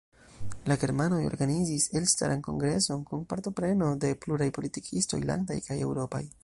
La germanoj organizis elstaran kongreson kun partopreno de pluraj politikistoj, landaj kaj eŭropaj.